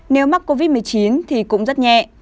nếu mắc covid một mươi chín thì cũng rất nhẹ